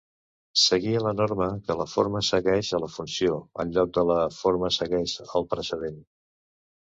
Seguia la norma que la "forma segueix a la funció", en lloc de la "forma segueix el precedent".